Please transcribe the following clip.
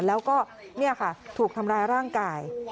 แล้วก็นี่ค่ะถูกทำร้ายร่างกาย